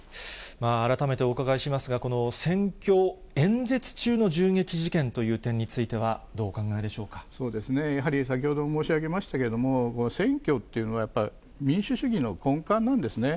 改めてお伺いしますが、この選挙演説中の銃撃事件という点については、どうお考えでしょやはり、先ほども申し上げましたけれども、選挙っていうのは、やっぱり民主主義の根幹なんですね。